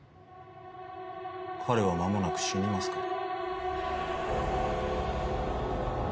彼はまもなく死にますから。